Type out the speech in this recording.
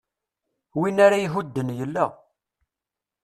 Win ara ihudden yella.